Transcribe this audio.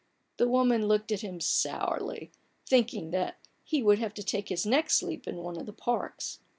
The woman looked at him sourly, thinking that he would have to take his next sleep in one of the parks.